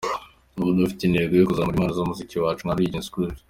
Ubu dufite intego yo kuzamura impano y'umuziki wacu nka Legends groupe.